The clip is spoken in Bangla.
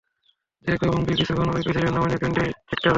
জ্যাক এবং ব্রি কিছুক্ষণ অই প্রেসিডেন্ট নমিনির পিন্ডি চিটকাবেন।